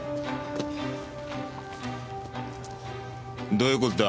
どういう事だ？